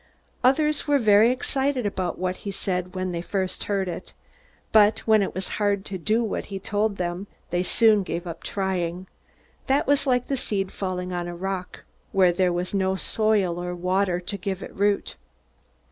Others were very excited about what he said when they first heard it, but when it was hard to do what he told them they soon gave up trying. That was like seed falling on a rock, where there was no soil or water to give it root.